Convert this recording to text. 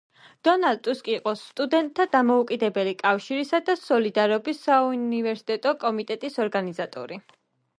დონალდ ტუსკი იყო სტუდენტთა დამოუკიდებელი კავშირისა და სოლიდარობის საუნივერსიტეტო კომიტეტის ორგანიზატორი.